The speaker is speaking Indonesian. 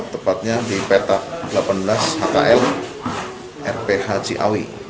tepatnya di petak delapan belas hkl rph ciawi